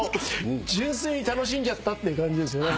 純粋に楽しんじゃったって感じ。